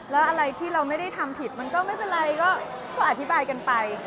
แล้วอะไรที่เราไม่ได้ทำผิดมันก็ไม่เป็นไรก็อธิบายกันไป